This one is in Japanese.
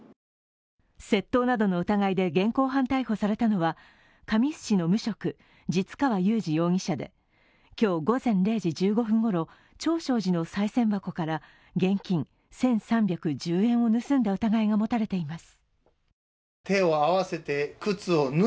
窃盗などの疑いで現行犯逮捕されたのは神栖市の無職、実川雄二容疑者で今日午前０時１５分ごろ長照寺のさい銭箱から現金１３１０円を盗んだ疑いが持たれています。